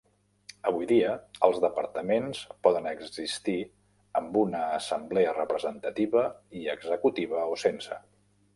Avui dia, els departaments poden existir amb una assemblea representativa i executiva o sense.